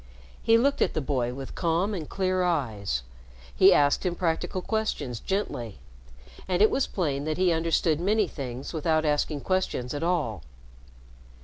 He looked at the boy with calm and clear eyes, he asked him practical questions gently, and it was plain that he understood many things without asking questions at all.